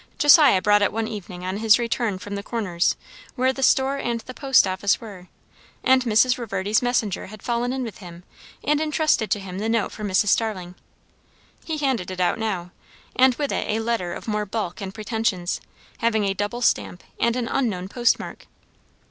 Josiah brought it one evening on his return from the Corners, where the store and the post office were, and Mrs. Reverdy's messenger had fallen in with him and intrusted to him the note for Mrs. Starling. He handed it out now, and with it a letter of more bulk and pretensions, having a double stamp and an unknown postmark.